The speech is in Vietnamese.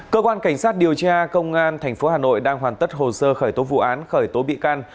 cơ quan cảnh sát điều tra công an tp hà nội đang hoàn tất hồ sơ khởi tố vụ án khởi tố bị can